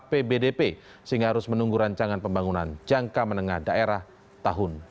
dalam apbdp sehingga harus menunggu rancangan pembangunan jangka menengah daerah tahun dua ribu delapan belas